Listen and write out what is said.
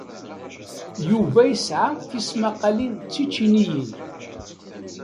Yuba yesɛa tismaqqalin d tičiniyin.